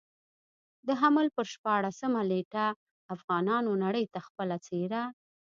د حمل پر شپاړلسمه نېټه افغانانو نړۍ ته خپله څېره.